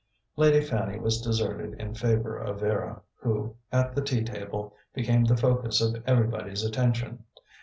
Lady Fanny was deserted in favour of Vera, who, at the tea table, became the focus of everybody's attention.